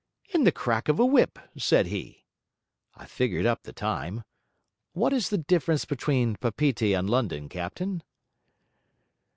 "In the crack of a whip," said he. I figured up the time. What is the difference between Papeete and London, captain?'